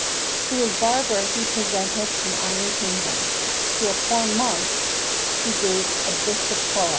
To his barber he presented an island kingdom; to a poor monk he gave a bishopric.